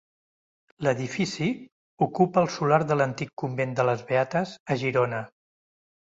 L'edifici ocupa el solar de l'antic convent de les Beates, a Girona.